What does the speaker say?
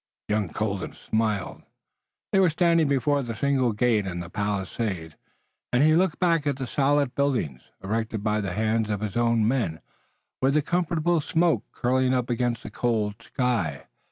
Young Colden smiled. They were standing before the single gate in the palisade, and he looked back at the solid buildings, erected by the hands of his own men, with the comfortable smoke curling up against the cold sky.